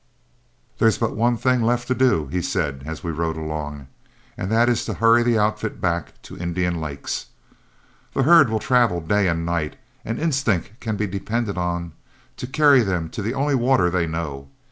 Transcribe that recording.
"There's but one thing left to do," said he, as we rode along, "and that is to hurry the outfit back to Indian Lakes. The herd will travel day and night, and instinct can be depended on to carry them to the only water they know.